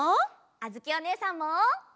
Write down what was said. あづきおねえさんも！